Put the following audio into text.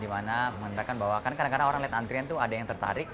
dimana mengatakan bahwa kan kadang kadang orang lihat antrian tuh ada yang tertarik